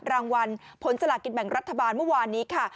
รางวัลผลสลากินแบ่งรัฐบาลเมื่อวานนี้ค่ะ